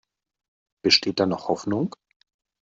Besteht denn noch Hoffnung?